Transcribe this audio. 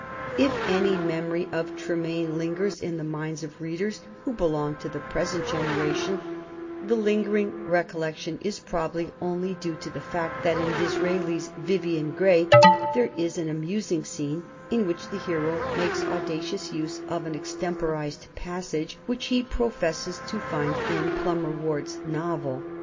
If any memory of "Tremaine" lingers in the minds of readers who belong to the present generation, the lingering recollection is probably only due to the fact that in Disraeli's "Vivian Grey" there is an amusing scene in which the hero makes audacious use of an extemporized passage, which he professes to find in Plumer Ward's novel.